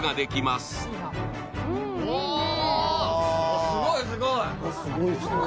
すごいすごい。